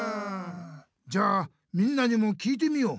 じゃあみんなにも聞いてみよう。